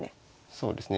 そうですね。